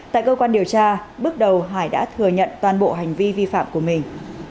tại cơ quan điều tra bước đầu hải đã thừa nhận toàn bộ hành vi vi phạm của mình